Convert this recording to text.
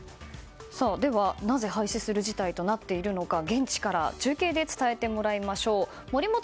なぜ廃止する事態となっているのか現地から中継で伝えてもらいましょう。